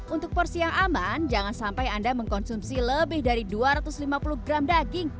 untuk porsi yang aman jangan sampai anda mengkonsumsi lebih dari dua ratus lima puluh gram daging